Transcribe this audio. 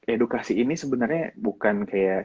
edukasi ini sebenarnya bukan kayak